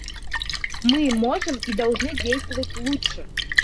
Мы можем и должны действовать лучше.